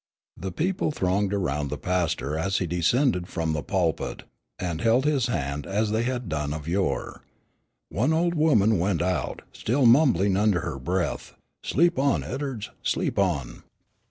The people thronged around the pastor as he descended from the pulpit, and held his hand as they had done of yore. One old woman went out, still mumbling under her breath, "Sleep on, Ed'ards, sleep on."